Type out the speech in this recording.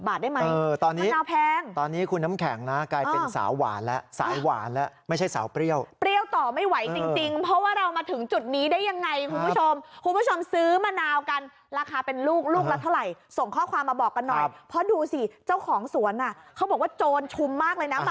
บอกว่าโจรชุมมากเลยนะมาขโมยมะนาว